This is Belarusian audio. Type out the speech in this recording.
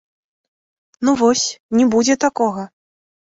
Ну вось, не будзе такога!